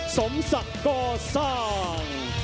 สมศักดิ์โก้ซ่าง